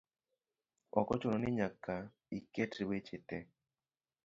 ok ochuno ni nyaka iket weche te.